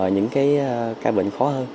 những cái ca bệnh khó hơn